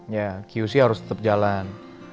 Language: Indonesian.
ya qc harus tetap jalan